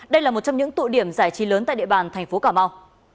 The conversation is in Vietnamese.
đây là một trong những tụ điểm giải trí lớn tại địa bàn thành phố cà mau